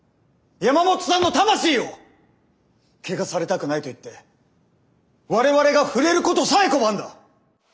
山本さんの魂を汚されたくないと言って我々が触れることさえ拒んだ。